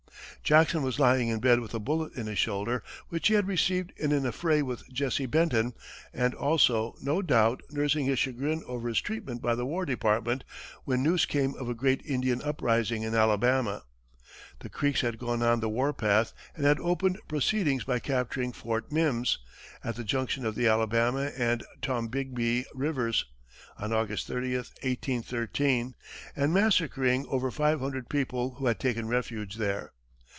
Jackson was lying in bed with a bullet in his shoulder, which he had received in an affray with Jesse Benton, and also, no doubt, nursing his chagrin over his treatment by the War Department, when news came of a great Indian uprising in Alabama. The Creeks had gone on the warpath and had opened proceedings by capturing Fort Mims, at the junction of the Alabama and Tombigbee rivers, on August 30, 1813, and massacring over five hundred people who had taken refuge there.